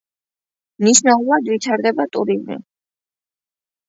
მნიშვნელოვნად ვითარდება ტურიზმი.